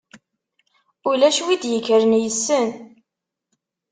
Ulac wi d-ikkren issen.